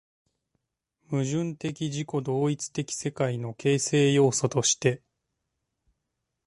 矛盾的自己同一的世界の形成要素として